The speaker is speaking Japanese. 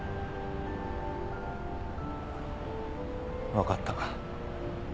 分かった。